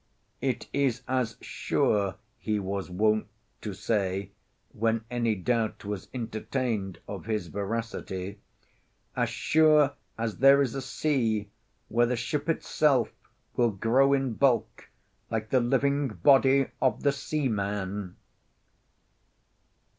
"It is as sure," he was wont to say, when any doubt was entertained of his veracity, "as sure as there is a sea where the ship itself will grow in bulk like the living body of the seaman."